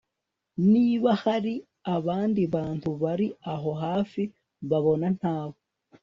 niba hari abandi bantu bari aho hafi babona ntabo